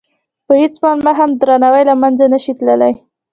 په هېڅ پلمه هم درناوی له منځه نه شي تللی.